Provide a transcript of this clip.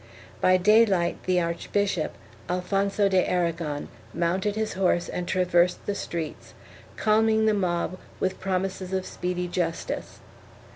By daylight the archbishop, Alfonso de Aragon, mounted his horse and traversed the streets, calming the mob with promises of speedy justice.